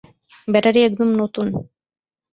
Battery একদম নতুন।